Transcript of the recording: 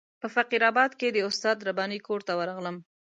په فقیر آباد کې د استاد رباني کور ته ورغلم.